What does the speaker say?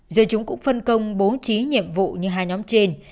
rồi chúng cũng phân công bố trí nhiệm vụ như hai nhóm trên